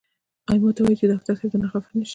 او ماته وائي چې ډاکټر صېب درنه خفه نشي " ـ